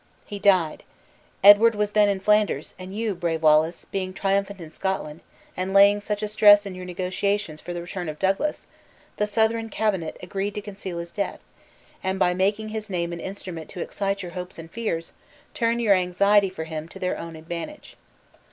He died. Edward was then in Flanders, and you, brave Wallace, being triumphant in Scotland, and laying such a stress in your negotiations for the return of Douglas, the Southron cabinet agreed to conceal his death, and, by making his name an instrument to excite your hopes and fears, turn your anxiety for him to their own advantage."